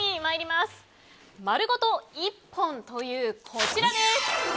まるごと１本というこちらです。